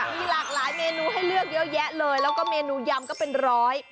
มีหลากหลายเมนูให้เลือกเยอะแยะเลยแล้วก็เมนูยำก็เป็นร้อย